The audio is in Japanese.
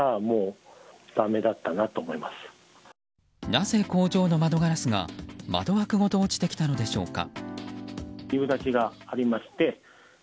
なぜ工場の窓ガラスが窓枠ごと落ちてきたのでしょうか。